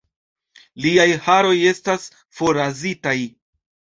Liaj haroj estas forrazitaj.